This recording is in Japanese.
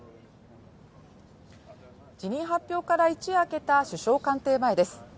辞任発表から一夜明けた首相官邸前です。